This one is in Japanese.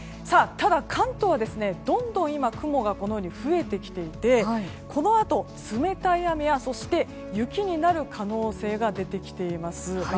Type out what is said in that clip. ただ関東は、どんどん雲が増えてきていてこのあと、冷たい雨やそして雪になる可能性が出てきています。